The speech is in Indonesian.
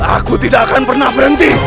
aku tidak akan pernah berhenti